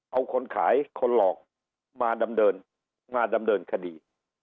เอาคนขายคนหลอกมาดำเนินมาดำเนินคดี